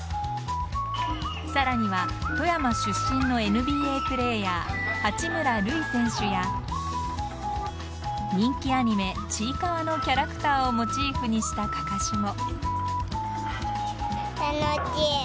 さらには富山出身のＮＢＡプレーヤー八村塁選手や人気アニメ「ちいかわ」のキャラクターをモチーフにしたかかしも。